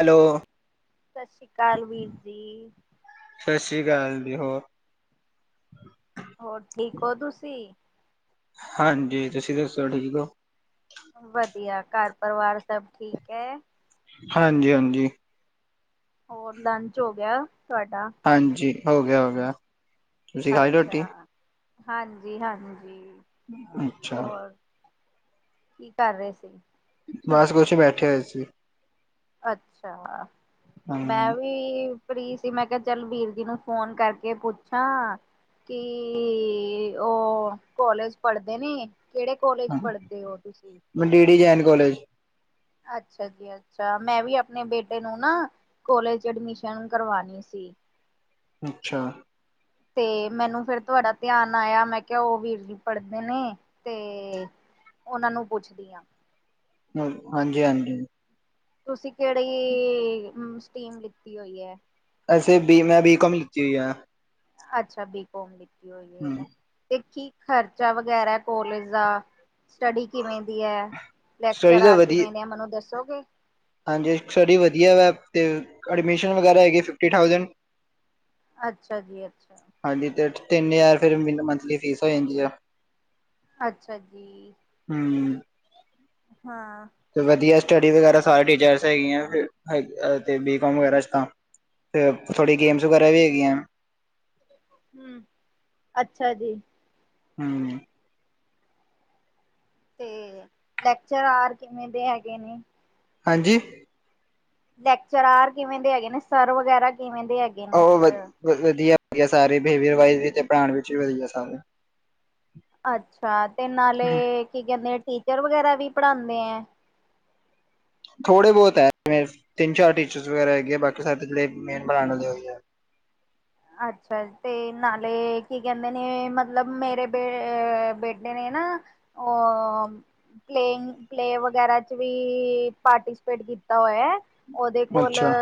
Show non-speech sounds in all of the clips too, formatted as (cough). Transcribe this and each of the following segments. Hello ਸਤਿ ਸ੍ਰੀ ਅਕਾਲ ਵੀਰ ਜੀ। ਸਤਿ ਸ੍ਰੀ ਅਕਾਲ ਜੀ ਹੋਰ। ਹੋਰ ਠੀਕ ਹੋ ਤੁਸੀਂ? ਹਾਂਜੀ ਤੁਸੀਂ ਦੱਸੋ ਠੀਕ ਹੋ? ਵਧੀਆ ਘਰ ਪਰਿਵਾਰ ਸਭ ਠੀਕ ਹੈ? ਹਾਂਜੀ ਹਾਂਜੀ ਹੋਰ ਲੰਚ ਹੋ ਗਿਆ ਤੁਹਾਡਾ? ਹਾਂਜੀ ਹੋ ਗਿਆ ਹੋ ਗਿਆ। ਤੁਸੀਂ ਖਾਈ ਰੋਟੀ ਅੱਛਾ, ਹਾਂਜੀ-ਹਾਂਜੀ। ਅੱਛਾ। ਕੀ ਕਾਰ ਰਿਹ ਸੀ? ਬਾਸ ਕੁਛ ਬੈਠੇ ਹੋਏ ਸੀ। ਅੱਛਾ, ਹਾਂ ਮੈਂ ਵੀ ਵੀ ਫੀ੍ ਸੀ ਮੈਂ ਕਿਆ ਚੱਲ ਵੀਰ ਜੀ ਨੂੰ ਫੋਨ ਕਰਕੇ ਪੁੱਛਾਂ। ਕੀ ਉ ਕੋਲੇਜ ਪੜ੍ਹਦੇ ਨੇ ਕੇੜੇ ਕੋਲੇਜ ਹਾਂ ਪੜ੍ਹਦੇ ਹੋ ਤੁਸੀਂ? ਮੈਂ ਡੀਡੀ ਜੈਨ ਕੋਲੇਜ। ਅੱਛਾ ਜੀ। ਅੱਛਾ, ਮੈਂ ਵੀ ਅਪਣੇ ਬੇਟੇ ਨੂੰ ਨਾ ਕੋਲੇਜ ਐਡਮਿਸ਼ਨ ਕਰਵਾਣੀ ਸੀ। ਅੱਛਾ। ਤੇ ਮੈਨੂੰ ਫੇਰ ਤੁਆਡਾ ਧਿਆਨ ਆਇਆ, ਮੈਂ ਕਿਆ ਉ ਵੀਰ ਜੀ ਪੜ੍ਹਦੇ ਨੇ ਤੇ ਉਨਾਂ ਨੂੰ ਪੁੱਛਦੀ ਆ। ਹਾਂਜੀ-ਹਾਂਜੀ। ਤੁਸੀਂ ਕੇੜੀ ਸਟੀਮ ਲਿੱਤੀ ਹੋਈ ਏ। ਅਸੀ ਬੀ ਮੈਂ ਬੀ ਕੋਮ ਲਿਤੀ ਹੋਈ ਏ। ਅੱਛਾ, ਬੀਕੋਮ ਲਤੀ ਹੋਈ ਹੂੰ, ਏ ਤੇ ਕੀ ਖਰਚਾ ਵਗੈਰਾ ਕੋਲੇਜ ਦਾ? ਸਟੱਡੀ ਕਿਵੇਂ ਦੀ ਏ, ਸਟੱਡੀ ਤਾਂ ਲੈਕਚਰਾਰ ਵਧੀਆ ਕਿਵੇਂ ਦੇ ਏ ਮੈਨੂੰ ਦੱਸੋਗੇ। ਹਾਂਜੀ ਸਟਡੀ ਵਧੀਆ ਵੇ, ਤੇ ਐਡਮਿਸ਼ਨ ਵਗੈਰਾ ਹੈਗੀ ਫਿਫਟੀ ਥਾੳਜੇਂਟ। ਅੱਛਾ ਜੀ ਅੱਛਾ। ਹਾਂਜੀ, ਤੇ ਤੇਨ ਹਜ਼ਾਰ ਫੇਰ ਮ ਮੰਥਲੀ ਫੀਸ ਹੋ ਜਾਂਦੀ ਆ। ਅੱਛਾ ਜੀ। ਹੁ। ਹਾਂ। ਤੇ ਵਧੀਆ ਸਟੱਡੀ ਵਗੈਰਾ ਸਾਰੇ ਟੀਚਰਸ ਹੈਗੀਆਂ ਤੇ ਬੀਕੋਮ ਵਗੈਰਾ ਚ' ਤਾਂ ਤੇ ਥੋੜ੍ਹੀ ਗੇਮਸ ਵਗੈਰਾ ਵੀ ਹੈਗੀਏ। ਹੁ ਅੱਛਾ ਜੀ। ਹਮ। ਹਮ, ਲੈਕਚਰ ਆਰ ਕਿਵੇਂ ਦੇ ਹੈਗੇ ਨੇ। ਹਾਂਜੀ? ਲੈਕਚਰਾਰ ਕਿਵੇਂ ਦੇ ਹੈਗੇ ਨੇ? ਸਰ ਵਗੈਰਾ ਕਿਵੇਂ ਦੇ ਹੈਗੇ ਨੇ? ਉਹ ਵਧੀਆ ਵਧੀਆ ਸਾਰੇ, ਬਿਹੇਵੀਅਰ ਵਾਇਜ਼ ਵੀ ਪੜ੍ਹਾਉਣ ਵਿੱਚ ਵੀ ਵਧੀਆ ਸਾਰੇ। ਅੱਛਾ ਤੇ ਨਾਲੇ ਕੀ ਕਹਿੰਦੇ ਟੀਚਰ ਵਗੈਰਾ ਵੀ ਪੜਾਉਂਦੇ ਆ? ਥੋੜੇ ਬਹੁਤ ਐ ਤਿੰਨ ਚਾਰ ਟੀਚਰ ਵਗੈਰਾ ਹੈਗੇ ਆ, ਬਾਕੀ ਸਾਰੇ ਜਿਹੜੇ ਮੇਨ ਅੱਛਾ ਤੇ ਨਾਲੇ ਕੀ ਕਹਿੰਦੇ ਨੇ, ਮਤਲਬ ਮੇਰੇ ਬੇਟੇ ਨੇ ਨਾ। ਉਹ। ਪਲੇੰਅ ਪਲੇਅ ਵਗੈਰਾ ਚ ਵੀ ਪਾਰਟੀਸਪੇਟ ਕੀਤਾ ਹੋਇਆ। ਉਹਦੇ ਕੋਲ ਅੱਛਾ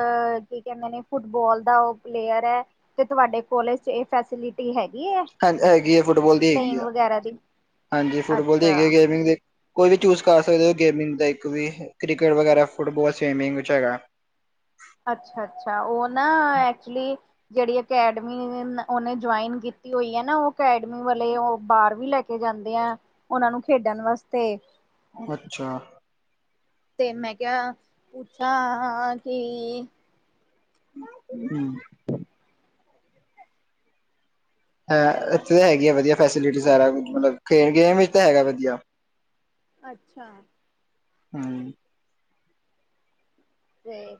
ਕੀ ਕਹਿੰਦੇ ਨੇ, ਫੁੱਟਬਾਲ ਦਾ ਉਹ ਪਲੇਅਰ ਹੈ। ਤੇ ਤੁਹਾਡੇ ਕੋਲੇਜ ਚ ਇਹ ਫੈਸਿਲਿਟੀ ਹੈਗੀ ਹੈ? ਹਾਂਜੀ ਹੈਗੀ ਆ ਫੁੱਟਬਾਲ ਦੀ ਹੈਗੀ ਪਲੇਇੰਗ ਆ, ਵਗੈਰਾ ਦੀ ਹਾਂਜੀ ਫੁੱਟਬਾਲ ਦੀ ਹੈਗੀ ਅੱਛਾ ਆ ਗੇਮਿੰਗ ਦੀ। ਕੋਈ ਵੀ ਚੂਜ ਕਰ ਸਕਦੇ ਹੋ ਗੇਮਿੰਗ ਦਾ, ਇੱਕ ਵੀ ਕ੍ਰਿਕਟ ਵਗੈਰਾ ਫੁੱਟਬਾਲ ਸਵੀਮਿੰਗ ਵਿੱਚ ਹੈਗਾ। ਅੱਛਾ ਅੱਛਾ, ਉਹ ਨਾ ਐਕਚੁਲੀ ਜਿਹੜੀ ਅਕੈਡਮੀ ਉਹ ਨੇ ਜੁਆਇਨ ਕੀਤੀ ਹੋਈ ਆ ਨਾ, ਉਹ ਅਕੈਡਮੀ ਵਾਲੇ ਬਾਹਰ ਵੀ ਲੈ ਕੇ ਜਾਂਦੇ ਆ ਉਹਨਾਂ ਨੂੰ ਖੇਡਣ ਵਾਸਤੇ। ਅੱਛਾ। ਤੇ ਮੈਂ ਕਿਹਾ ਪੁੱਛਾਂ, ਕਿ ਹਮ। ਹੈਲੋ ਇੱਥੇ ਤਾਂ ਹੈਗੀ ਆ ਵਧੀਆ ਫੈਸਿਲਿਟੀ ਸਾਰਾ ਕੁਝ ਮਤਲਬ ਖੇਡ ਗੇਮ ਵਿੱਚ ਤਾਂ ਹੈਗਾ ਵਧੀਆ ਅੱਛਾ। (unintelligible) ਤੇ,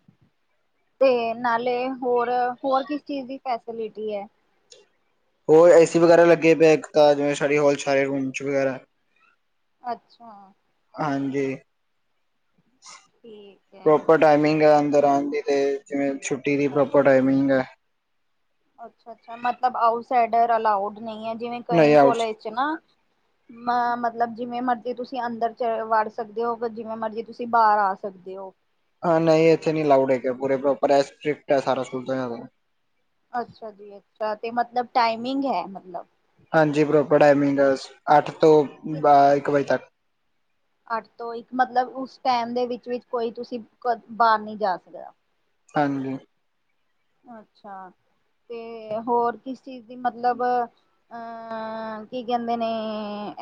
ਤੇ ਨਾਲੇ ਹੋਰ ਹੋਰ ਕਿਸ ਚੀਜ ਦੀ ਫੈਸਲਿਟੀ ਹੈ। ਹੋਰ ਏ ਸੀ ਵਗੈਰਾ ਲੱਗੇ ਪਏ ਇੱਕ ਤਾਂ ਜਿਵੇ ਸ਼ਾਰੀ ਹੋਲ, ਸਾਰੇ ਰੂਮ ਚ ਵਗੈਰਾ ਅੱਛਾ। ਹਾਂਜੀ ਠੀਕ ਹੈ ਪ੍ਰੋਪਰ ਟਾਈਮਿੰਗ ਹੈ ਅੰਦਰ ਆਨ ਦੀ ਤੇ ਜਿਵੇ ਛੁੱਟੀ ਦੀ ਪ੍ਰੋਪਰ ਅੱਛਾ ਟਾਈਮਿੰਗ ਐ ਅੱਛਾ, ਅੱਛਾ ਮਤਲਬ ਆਊਟਸਾਈਡਰ ਅਲਾਉਡ ਨਹੀ ਹੈ ਜਿਵੇਂ ਨਹੀਂ ਕਈ ਆਊਟ ਕੋਲ ਚ ਨਾ ਅ ਮਤਲਬ ਜਿਵੇ ਮਰਜੀ ਤੁਸੀਂ ਅੰਦਰ ਚ ਵੜ ਸਕਦੇ ਓ, ਜਿਵੇਂ ਮਰਜੀ ਤੁਸੀ ਬਾਰ ਆ ਸਕਦੇ ਓ ਹਾਂ ਨਹੀਂ ਇੱਥੇ ਨੀ ਲਾਊਡ ਹੈਗੇ, ਪੂਰੇ ਪ੍ਰੋਪਰ ਸਟ੍ਰਿਕਟ ਐ ਸਾਰਾ ਸਕੂਲ ਤੋ ਜਾਦਾ ਅੱਛਾ ਜੀ, ਅੱਛਾ ਤੇ ਮਤਲਬ ਟਾਈਮਿੰਗ ਹੈ ਮਤਲਬ ਹਾਂਜੀ, ਪ੍ਰੋਪਰ ਟਾਈਮਿੰਗ ਅੱਠ ਤੋਂ ਬਾਰਾ ਇੱਕ ਵਜੇ ਤੱਕ। ਅੱਠ ਤੋਂ ਇੱਕ, ਮਤਲਬ ਉਸ ਟੈਮ ਦੇ ਵਿੱਚ ਵਿੱਚ ਕੋਈ ਤੁਸੀ ਬਾਰ ਨੀ ਜਾ ਸਕਦਾ ਹਾਂਜੀ। ਅੱਛਾ, ਤੇ ਹੋਰ ਕਿਸ ਚੀਜ ਦੀ ਮਤਲਬ ਕੀ ਕੈਂਦੇ ਨੇ,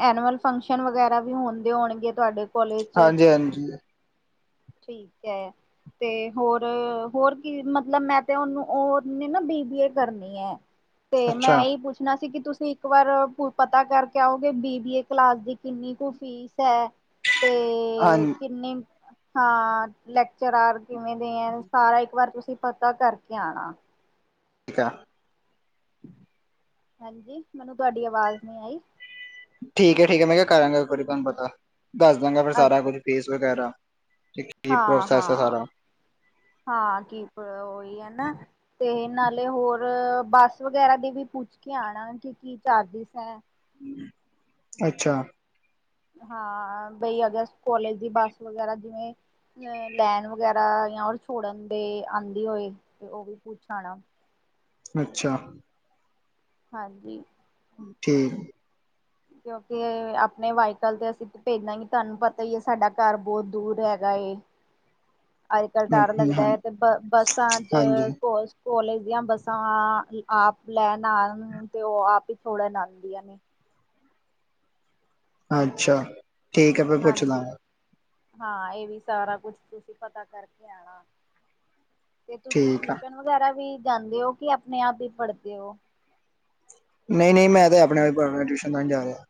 ਐਨੂਅਲ ਫੰਕਸ਼ਨ ਵਗੈਰਾ ਵੀ ਹੁੰਦੇ ਹੋਣਗੇ ਤੁਆਡੇ ਹਾਂਜੀ, ਹਾਂਜੀ ਠੀਕ ਐ ਤੇ ਹੋਰ ਹੋਰ ਕੀ ਮਤਲਬ ਮੈ ਤੇ ਓਨੂੰ, ਓਨੇ ਨਾ ਬੀ ਬੀ ਏ ਕਰਨੀ ਐ ਤੇ ਮੈ ਅੱਛਾ ਇਹੀ ਪੁੱਛਨਾ ਸੀ ਕਿ ਤੁਸੀ ਇੱਕ ਵਾਰ ਪਤਾ ਕਰਕੇ ਆਓਗੇ ਬੀ ਬੀ ਏ ਕਲਾਸ ਦੀ ਕਿੰਨੀ ਕੁ ਫੀਸ ਐ? ਤੇ ਹਾਂਜੀ ਕਿੰਨੀ ਹਾਂ, ਲੈਕਚਰਾਰ ਕਿਵੇ ਦੇ ਐ? ਸਾਰਾ ਇੱਕ ਵਾਰ ਤੁਸੀ ਪਤਾ ਕਰਕੇ ਆਣਾ ਠੀਕ ਐ। ਹਾਂਜੀ, ਮੈਨੂੰ ਤੁਹਾਡੀ ਆਵਾਜ ਨਹੀ ਆਈ। ਠੀਕ ਐ, ਠੀਕ ਐ, ਮੈ ਕੇ ਕਰਾਂਗਾ ਇੱਕ ਵਾਰੀ ਤੁਹਾਨੂੰ ਪਤਾ, ਦੱਸ ਦਾਂਗਾ ਫੇਰ ਸਾਰਾ ਅੱਛਾ ਕੁੱਜ ਫੀਸ ਵਗੈਰਾ ਠੀਕ ਕੀ ਹਾਂ ਪ੍ਰੋਸੈਸ ਐ ਹਾਂ ਸਾਰਾ ਹਾਂ, ਕੀ ਓਹੀ ਹੈ ਨਾ ਤੇ ਨਾਲੇ ਹੋਰ ਬੱਸ ਵਗੈਰਾ ਦੇ ਵੀ ਪੁੱਛ ਕੇ ਆਣਾ ਕਿ ਕੀ ਚਾਰਸੇਸ ਹੈ? ਅੱਛਾ। ਹਾਂ, ਬਈ ਅਗਰ ਕੋਲੇਜ ਦੀ ਬੱਸ ਵਗੈਰਾ ਜਿਵੇ ਅ ਲੈਣ ਵਗੈਰਾ ਯਾ ਹੋਰ ਛੋੜਨ ਦੇ ਆਂਦੀ ਹੋਏ ਤੇ ਓਹ ਵੀ ਪੁੱਛ ਆਣਾ ਅੱਛਾ। ਹਾਂਜੀ। ਠੀਕ ਕੇਓਂ ਕੇ ਆਪਣੇ ਵਾਈਕਲ ਤੇ ਅਸੀਂ ਭੇਜਾਂਗੇ ਤਾਨੂੰ ਪਤਾ ਹੀ ਏ, ਸਾਡਾ ਘਰ ਬੋਤ ਦੂਰ ਹੈਗਾ ਏ। ਅੱਜ-ਕੱਲ ਡਰ ਲੱਗਦਾ ਹਾਂ ਐ ਤੇ ਬ ਬੱਸਾਂ ਹਾਂਜੀ ਚ ਕੋਲੇਜ ਦੀਆਂ ਬੱਸਾਂ ਆਪ ਲੈਣ ਆਣ ਤੇ ਓ ਆਪ ਹੀ ਛੋੜਨ ਆਂਦੀਆਂ ਨੇ ਅੱਛਾ। ਠੀਕ ਹੈ ਮੈਂ ਪੁੱਛ ਹਾਂਜੀ, ਲਾਂਗਾ ਹਾਂ ਏ ਵੀ ਸਾਰਾ ਕੁਛ ਤੁਸੀ ਪਤਾ ਕਰਕੇ ਆਣਾ ਤੇ ਤੁਸੀ ਠੀਕ ਆ ਟਿਊਸ਼ਨ ਵਗੈਰਾ ਵੀ ਜਾਂਦੇ ਓ ਕਿ ਆਪਣੇ ਆਪ ਹੀ ਪੜਦੇ ਓ ਨਈ, ਨਈ ਮੈਂ ਤਾਂ ਅਪਣੇ ਆਪ ਪੜ ਰੇਆ, ਟਿਊਸ਼ਨ ਤਾ ਨੀ ਜਾ ਰਿਆ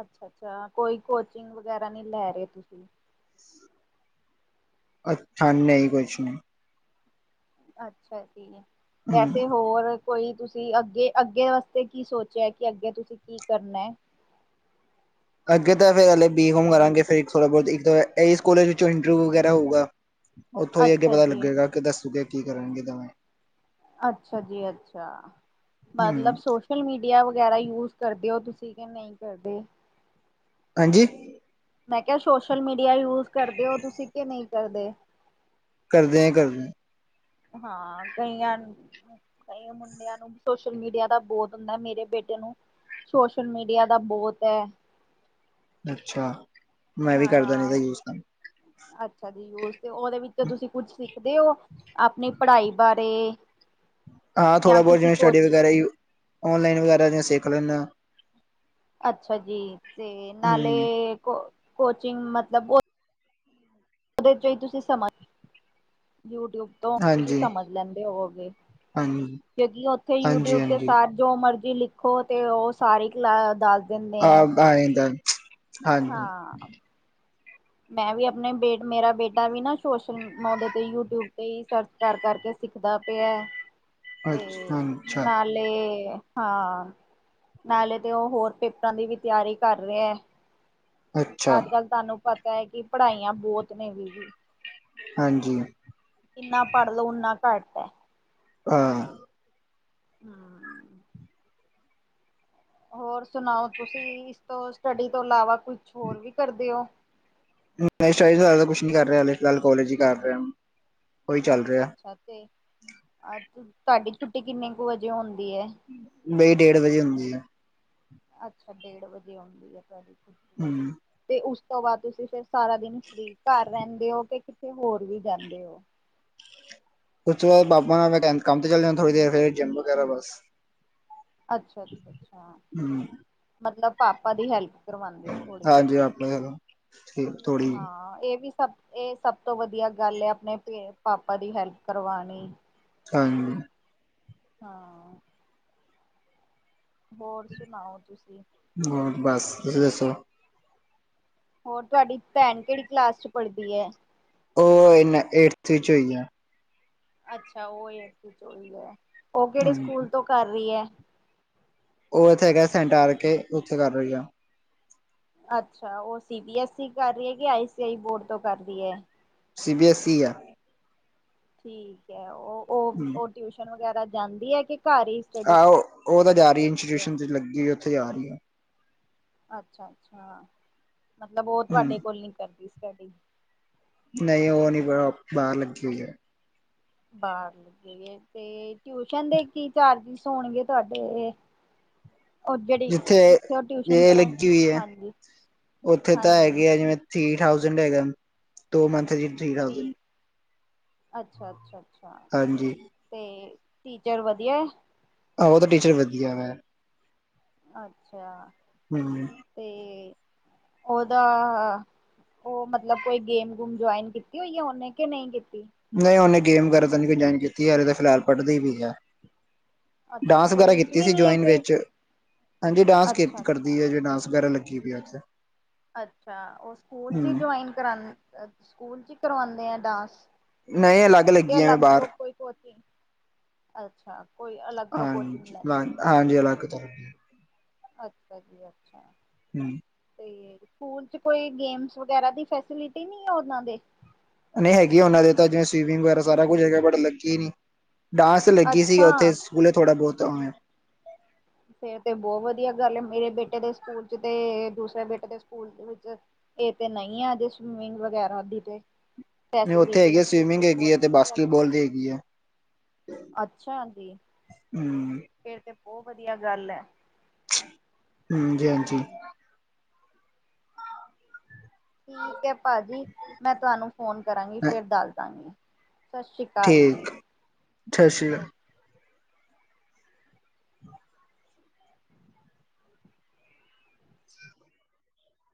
ਅੱਛਾ, ਅੱਛਾ ਕੋਈ ਕੋਚਿੰਗ ਵਗੈਰਾ ਨਈ ਲੈ ਰਹੇ ਤੁਸੀਂ? ਅੱਛਾ, ਨਹੀਂ ਕੁਛ ਨਈ। ਅੱਛਾ ਜੀ, ਹੂੰ ਵੈਸੇ ਹੋਰ ਕੋਈ ਤੁਸੀਂ ਅੱਗੇ, ਅੱਗੇ ਵਸਤੇ ਕੀ ਸੋਚੇਆ ਕਿ ਅੱਗੇ ਤੁਸੀਂ ਕੀ ਕਰਨਾ ਐ? ਅੱਗੇ ਤਾ ਫੇਰ ਹਲੇ ਬੀ ਕੋਮ ਕਰਾਂਗੇ ਫਿਰ ਥੋੜਾ ਬੋਤ ਇਕ ਤਾ, ਏਹਿਸ ਕੋਲੇਜ ਵਿੱਚੋ ਇੰਟਰਵਿਊ ਵਗੈਰਾ ਹੋਊਗਾ। (unintelligible) ਓਥੋਂ ਹੀ ਅੱਗੇ ਪਤਾ ਜੀ, ਲੱਗੇਗਾ ਕਿ ਦੱਸੂਗੇ ਕੀ ਕਰਨਗੇ ਦਵੇ ਅੱਛਾ ਜੀ, ਅੱਛਾ ਹੂੰ ਮਤਲਬ ਸੋਸ਼ ਸੋਸ਼ਲ ਮੀਡੀਆ ਵਗੈਰਾ ਯੂਜ ਕਰਦੇ ਹੋ ਤੁਸੀਂ ਕਿ ਨਹੀਂ ਕਰਦੇ ਹਾਂਜੀ ਮੈਂ ਕਿਹਾ ਸੋਸ਼ਲ ਮੀਡੀਆ ਯੂਜ ਕਰਦੇ ਹੋ ਤੁਸੀਂ ਕਿ ਨਹੀਂ ਕਰਦੇ ਕਰਦੇ ਆ ਕਰਦੇ ਹਾਂ ਕਈਆਂ, ਕਈ ਮੁੰਡਿਆਂ ਨੂੰ ਸੋਸ਼ਲ ਮੀਡੀਆ ਦਾ ਬਹੁਤ ਹੁੰਦਾ ਮੇਰੇ ਬੇਟੇ ਨੂੰ ਸੋਸ਼ਲ ਮੀਡੀਆ ਦਾ ਬਹੁਤ ਹੈ, ਅੱਛਾ, ਮੈਂ ਵੀ ਕਰਦਾ ਨਹੀਂ ਤਾਂ ਹਾਂ ਯੂਜ ਕਰ ਅੱਛਾ ਜੀ ਯੂਸ ਤੇ ਉਹਦੇ ਵਿੱਚ, ਜਿੱਦਾ ਤੁਸੀ ਕੁੱਝ ਲਿਖਦੇ ਹੋ ਆਪਣੀ ਪੜ੍ਹਾਈ ਬਾਰੇ, ਹਾਂ ਥੋੜਾ ਜਾਂ ਬਹੁਤਾ ਕਿਸੇ ਜਿਵੇ ਸਟੱਡੀ ਕੋਚਿੰ ਵਗੈਰਾ, ਹੀ ਔਨਲਾਈਨ ਵਗੈਰਾ ਜਿਵੇ ਸਿੱਖ ਲੈਂਦਾ। ਅੱਛਾ ਜੀ ਤੇ ਨਾਲੇ ਹਮ ਕੋ ਕੋਚਿੰਗ ਮਤਲਬ ਬਹੁ, ਉਹਦੇ ਚ ਹੀ ਤੁਸੀਂ ਸਮਾਂ ਯੂਟਿਊਬ ਤੋਂ ਤੁਸੀਂ ਹਾਂਜੀ ਸਮਝ ਲੈਂਦੇ ਹੋਵੋਗੇ, ਹਾਂਜੀ ਕਿਉਂਕਿ ਉੱਥੇ ਹਾਂਜੀ ਯੂਟਿਊਬ ਤੇ ਹਾਂਜੀ ਸਾਰ ਜੋ ਮਰਜੀੀ ਲਿਖੋ ਤੇ ਉਹ ਸਾਰੀ ਕ ਦ ਹਾਂ ਆਏਦਾ, ਹਾਂ। ਮੈਂ ਵੀ ਆਪਣੇ ਬੇ ਮੇਰਾ ਬੇਟਾ ਵੀ ਨਾ ਸੋਸ਼ਲ ਮੁਦੇ ਤੇ ਯੂਟਿਊਬ ਤੇ ਹੀ ਸਰਚ, ਕਰ ਕਰਕੇ ਸਿੱਖਦਾ ਪਿਆ ਤੇ ਅੱਛਾ ਨਾਲ, ਅੱਛਾ ਨਾਲੇ ਹਾਂ ਨਾਲੇ ਤੇ ਉਹ ਹੋਰ ਪੇਪਰਾਂ ਦੀ ਵੀ ਤਿਆਰੀ ਕਰ ਰਿਹਾ ਹੈ। ਅੱਛਾ ਅੱਜ ਕੱਲ੍ਹ ਤੁਹਾਨੂੰ ਪਤਾ ਹੈ ਕਿ ਪੜ੍ਹਾਈਆਂ ਬਹੁਤ ਨੇ ਵੀ। ਹਾਂਜੀ। ਜਿੰਨਾ ਪੜ੍ਹ ਲੋ ਓਨਾ ਘੱਟ ਆ, ਹਾਂ, ਹਮ ਹੋਰ ਸੁਣਾਓ ਤੁਸੀਂ ਇਸ ਤੋਂ ਸਟੱਡੀ ਤੋਂ ਇਲਾਵਾ ਕੁਛ ਹੋਰ ਵੀ ਕਰਦੇ ਹੋ। ਨਹੀਂ ਸਟੱਡੀਜ਼ ਤੋ ਜਿਆਦਾ ਕੁਛ ਨੀ ਕਰ ਰਿਹਾ ਫਿਲਹਾਲ ਕੋਲੇਜ ਹੀ ਕਰ ਰਿਹਾ। ਉਹੀ ਚੱਲ ਅੱਛਾ, ਰਿਹਾ ਅੱਛਾ ਤੇ ਅ ਤੁਹਾਡੀ ਛੁੱਟੀ ਕਿੰਨੇ ਕੁ ਵਜੇ ਹੁੰਦੀ ਏ। ਬਈ ਡੇਢ ਵਜੇ ਹੁੰਦੀ ਆ। ਅੱਛਾ ਡੇਢ ਵਜੇ ਆਉਂਦੀ ਆ ਤੁਹਾਡੀ ਛੁੱਟੀ। ਹਮ ਤੇ ਉਸ ਤੋਂ ਬਾਅਦ ਤੁਸੀਂ ਫਿਰ ਸਾਰਾ ਦਿਨ ਫਰੀ ਘਰ ਰਹਿੰਦੇ ਹੋ ਕਿ ਕਿੇਤੇ ਹੋਰ ਵੀ ਜਾਂਦੇ ਹੋ। ਉਸ ਤੋ ਬਾਅਦ ਪਾਪਾ ਨਾਲ ਮੈਂ ਕ ਕੰਮ ਤੇ ਚੱਲ ਜਾਨਾ ਥੋੜ੍ਹੀ ਦੇਰ ਫਿਰ ਜਿਮ ਵਗੈਰਾ ਬਸ। ਅੱਛਾ, ਅੱਛਾ, ਅੱਛਾ, ਹਮ ਮਤਲਬ ਪਾਪਾ ਦੀ ਹੈਲਪ, ਕਰਵਾਉਂਦੇ ਹੋ ਥੋੜ੍ਹੀ ਹਾਂਜੀ ਬਹੁਤੀ ਆਪਣਾ ਚਲੋ ਠੀਕ ਥੋੜੀ ਹਾਂ ਇਹ ਵੀ, ਸਭ ਇਹ ਸਭ ਤੋਂ ਵਧੀਆ ਗੱਲ ਹੈ ਆਪਣੇ ਪੇਂਰ ਪਾਪਾ ਦੀ ਹੈਲਪ ਕਰਵਾਣੀ। ਹਾਂਜੀ। ਹਾਂ ਹੋਰ ਸੁਣਾਓ ਤੁਸੀਂ ਹੋਰ ਬਸ, ਤੁਸੀਂ ਦੱਸੋ ਹੋਰ ਤੁਹਾਡੀ ਭੈਣ ਕਿਹੜੀ ਕਲਾਸ ਚ ਪੜ੍ਹਦੀ ਹੈ? ਉਹ ਇਨਾਂ ਏਟਥ ਵਿੱਚ ਹੋਈ ਆ ਅੱਛਾ ਉਹ ਛੋਟੀ ਹੈ, ਉਹ ਕਿਹੜੇ ਹਾਂਜੀ ਸਕੂਲ ਤੋਂ ਕਰ ਰਹੀ ਹੈ? ਉਹ ਇੱਥੇ ਹੈਗਾ ਸੈਂਟ ਆ ਕੇ, ਉੱਥੇ ਕਰ ਰਹੀ ਆ ਅੱਛਾ, ਉਹ ਸੀ ਬੀ ਐਸ ਈ ਕਰ ਰਹੀ ਹੈ ਕਿ ਆਈ ਸੀ ਆਈ ਬੋਰਡ ਤੋਂ ਕਰ ਰਹੀ ਹੈ? ਸੀ ਬੀ ਐੱਸ ਈ ਹੈ। ਠੀਕ ਹੈ, ਉਹ ਉਹ ਹਮ- ਉਹ ਟਿਊਸ਼ਨ ਵਗੈਰਾ ਜਾਂਦੀ ਹੈ ਕਿ ਘਰ ਹੀ ਸਟੱਡੀ ਆਹ ਉਹ ਤਾਂ ਜਾ ਰਹੀ ਕਰਦੀ ਹੈ? ਇੰਸਟੀਟਿਊਸ਼ਨ ਤੇ ਲੱਗੀ ਹੋ ਉੱਥੇ ਜਾ ਰਹੀ ਆ। ਅੱਛਾ ਅੱਛਾ, ਮਤਲਬ ਉਹ ਹਮ ਤੁਹਾਡੇ ਕੋਲ ਨੀ ਕਰਦੀ ਸਟੱਡੀ ਨਹੀਂ ਉਹ ਨਹੀਂ, ਬਾਹਰ ਲੱਗੀ ਹੋਈ ਹੈ। ਬਾਹਰ ਲੱਗ ਗਈਏ। ਤੇ ਟਿਊਸ਼ਨ ਦੇ ਕੀ ਚਾਰਜਿਸ ਹੋਣਗੇ ਤੁਹਾਡੇ? ਉਹ ਜਿਹੜੀ ਜਿੱਥੇ ਉਹ ਟਿਊਸ਼ਨ ਇਹ ਪੜ੍ਹਨ ਲੱਗੀ ਹੋਈ ਹੈ ਹਾਂਜੀ ਉੱਥੇ ਤਾਂ ਹਾਂਜੀ ਹੈਗੇ ਆ ਜਿਵੇਂ ਥ੍ਰਰੀ ਥਾਊਜੈਂਡ ਹੈਗਾ ਦੋ ਮੰਥਲੀ ਥਰੀ ਥਾਊਜੈਂਡ ਠੀਕ ਅੱਛਾ ਅੱਛਾ ਅੱਛਾ, ਹਾਂਜੀ ਤੇ ਟੀਚਰ ਵਧੀਆ ਹੈ? ਆਹੋ ਉਹ ਤਾਂ ਟੀਚਰ ਵਧੀਆ ਵੇ। ਅੱਛਾ। ਹਮ। ਤੇ ਉਹਦਾ ਉਹ ਮਤਲਬ ਕੋਈ ਗੇਮ ਗੂਮ ਜੁਆਇਨ ਕੀਤੀ ਹੋਈ ਆ ਉਹਨੇ ਕਿ ਨਹੀਂ ਕੀਤੀ? ਨਹੀਂ ਉਹਨੇ ਗੇਮ ਵਗੈਰਾ ਤਾਂ ਨਹੀਂ ਕੋਈ ਜੁਆਇਨ ਕੀਤੀ, ਹਰੇ ਤਾਂ ਫਿਲਹ ਪੜ੍ਹਦੀ ਵੀ ਹੈ। ਅੱਛਾ ਡਾਂਸ ਵਗੈਰਾ ਸਕੂਲ ਚ ਕੀਤੀ ਵੀ ਸੀ ਨੀ ਹੈ ਜੁਆਇਨ ਕੋਈ ਵਿੱਚ ਹਾਂਜੀ ਡਾਂਸ ਅੱਛਾ ਅੱਛਾ ਕਰਦੀ ਹੈ ਜਿਵੇਂ ਡਾਂਸ ਵਗੈਰਾ ਲੱਗੀ ਪਈ ਆ ਉੱਥੇ ਅੱਛਾ, ਉਹ ਸਕੂਲ ਚ ਹਮ ਜੁਆਇੰਨ ਸਕੂਲ ਚ ਕਰਵਾਉਦੇ ਆ ਡਾਂਸ? ਨਹੀਂ, ਅਲੱਗ ਲੱਗੀ ਆ ਮੈਂ ਬਾਹਰ (unintelligible) ਹ ਅੱਛਾ। ਤੋਂ ਕੋਚਿੰਗ ਹਾਂਜੀ ਲੈਂਦੀ ਹੈ ਹਾਂਜੀ, ਅਲੱਗ ਅੱਛਾ ਜੀ ਅੱਛਾ। ਹਮ। ਤੇ ਸਕੂਲ ਚ ਕੋਈ ਗੇਮਸ ਵਗੈਰਾ ਦੀ ਫੈਸਿਲਿਟੀ ਨਹੀਂ ਆ ਉਹਨਾਂ ਦੇ? ਨਹੀਂ ਹੈਗੀ ਉਹਨਾਂ ਦੇ ਤਾਂ, ਜਿਵੇਂ ਸਵੀਮਿੰਗ ਵਗੈਰਾ ਸਾਰਾ ਕੁੱਝ ਹੈਗਾ ਬਟ ਲੱਗੀ ਹੀ ਨੀ। ਡਾਂਸ ਲੱਗੀ ਸੀ ਅੱਛਾ ਉੱਥੇ, ਸਕੂਲੇ ਥੋੜ੍ਹਾ ਬਹੁਤ ਵੇ ਫੇਰ ਤੇ ਬਹੁਤ ਵਧੀਆ ਗੱਲ ਹੈ ਮੇਰੇ ਬੇਟੇ ਦੇ ਸਕੂਲ ਚ ਤੇ, ਦੂਸਰੇ ਬੇਟੇ ਦੇ ਸਕੂਲ ਵਿੱਚ ਇਹ ਤੇ ਨਹੀਂ ਹੈ ਅਜੇ ਸਵਿਮਿੰਗ ਵਗੈਰਾ ਦੀ ਤੇ ਨਹੀਂ ਉੱਥੇ ਫੈਸਿਲਿਟੀ ਹੈਗੀ ਹੈ ਤੁਸੀਂ ਸਵੀਮਿੰਗ ਹੈਗੀ ਹੈ ਬਹੁਤ ਤੇ ਅੱਛੀ ਗੱਲ ਬਾਸਕਿਟਬਾਲ ਦੀ ਹੈਗੀ ਹੈ। ਅੱਛਾ ਜੀ। ਹਮ। ਫੇਰ ਤੇ ਬਹੁਤ ਵਧੀਆ ਗੱਲ ਹੈ। ਹਾਂਜੀ ਹਾਂਜੀ। ਹਮ ਠੀਕ ਹੈ ਭਾਜੀ, ਮੈਂ ਤੁਹਾਨੂੰ ਫੋਨ ਕਰਾਂਗੀ, ਫਿਰ ਦੱਸ ਦਵਾਂਗੀ। ਠੀਕ, ਸਤਿ ਸ੍ਰੀ ਅਕਾਲ। ਓਕੇ